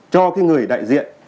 cho người đại diện